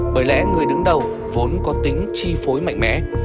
bởi lẽ người đứng đầu vốn có tính chi phối mạnh mẽ